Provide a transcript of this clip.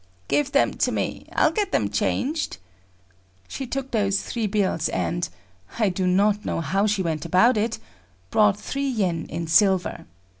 "Give them to me; I'll get them changed." She took those three bills, and,—I do not know how she went about it,—brought three yen in silver.